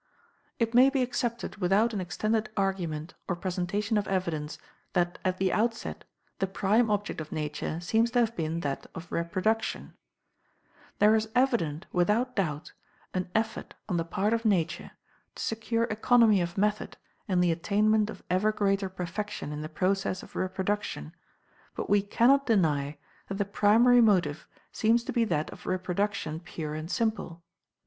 It may be accepted without an extended argument or presentation of evidence that at the outset the prime object of Nature seems to have been that of Reproduction. There is evident, without doubt, an effort on the part of Nature to secure economy of method in the attainment of ever greater perfection in the process of reproduction, but we cannot deny that the primary motive seems to be that of reproduction pure and simple.